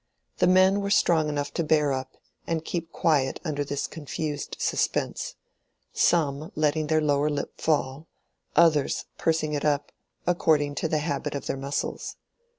The men were strong enough to bear up and keep quiet under this confused suspense; some letting their lower lip fall, others pursing it up, according to the habit of their muscles.